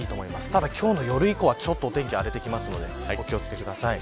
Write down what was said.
ただ今日の夜以降はお天気が荒れてきますのでお気を付けください。